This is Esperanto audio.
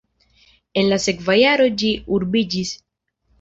En la sekva jaro ĝi urbiĝis.